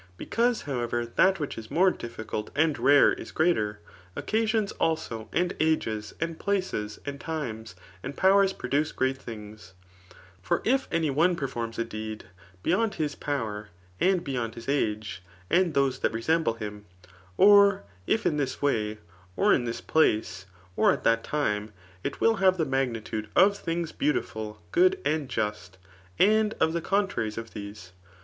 Because, however, that which is more difRciilt and rare is greater, occasions, also, and ages, and places^ and times; and powers produce great thii^ For if [any one performs a deed] beyond his power^ and h^ yotd his age^ and those that resemble him, or if in this way, or in this place, or at that time, it will hare tbe magnitude of things beautiful, good and jost, and of ^ contraries to these.